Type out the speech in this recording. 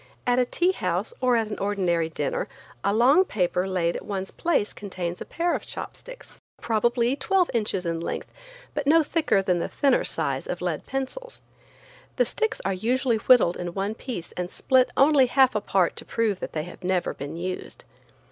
At a tea house or at an ordinary dinner a long paper laid at one's place contains a pair of chopsticks, probably twelve inches in length, but no thicker than the thinner size of lead pencils. The sticks are usually whittled in one piece and split only half apart to prove that they have never been used.